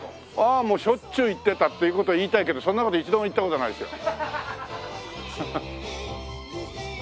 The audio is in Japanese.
ああもうしょっちゅう行ってたっていう事を言いたいけどそんな事一度もいった事ないですよ。